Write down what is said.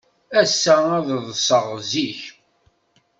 Ass-a, ad ḍḍseɣ zik.